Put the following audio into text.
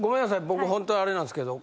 僕ホントあれなんですけど。